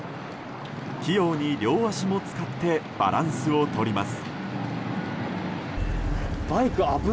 器用に両足も使ってバランスを取ります。